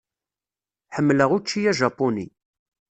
Ḥemmleɣ učči ajapuni.